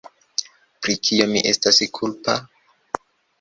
Pri kio mi estas kulpa?